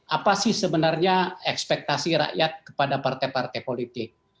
apa sih sebenarnya ekspektasi rakyat kepada partai partai politik